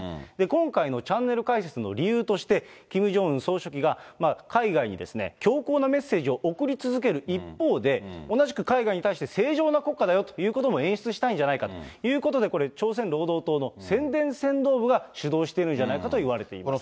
今回のチャンネル開設の理由として、キム・ジョンウン総書記が海外に強硬なメッセージを送り続ける一方で、同じく海外に対して正常な国家だよということも演出したいんじゃないかということで、これ、朝鮮労働党の宣伝扇動部が主導しているんじゃないかといわれています。